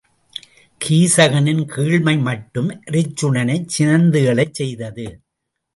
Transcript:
கீசகனின் கீழ்மைமட்டும் அருச்சுனனைச் சினந்து எழ செய்தது.